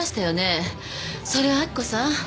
それは明子さん。